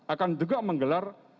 akan juga menggelar